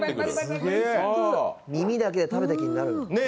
耳だけで食べた気になる。